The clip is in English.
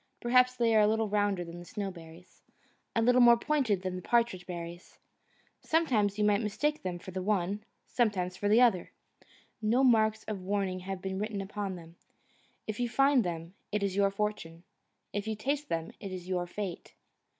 Perhaps they are a little rounder than the Snowberry's, a little more pointed than the Partridge berry's; sometimes you might mistake them for the one, sometimes for the other. No marks of warning have been written upon them. If you find them it is your fortune; if you taste them it is your fate.